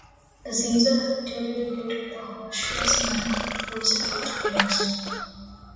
The seizure effectively depleted the Horseshoe's bankroll, forcing it to close.